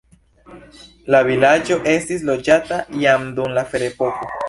La vilaĝo estis loĝata jam dum la ferepoko.